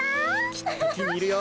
きっときにいるよ。